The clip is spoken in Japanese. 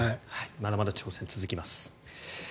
まだまだ挑戦が続きます。